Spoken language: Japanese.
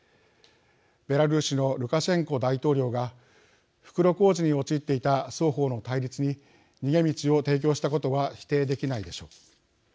ベラルーシのルカシェンコ大統領が袋小路に陥っていた双方の対立に逃げ道を提供したことは否定できないでしょう。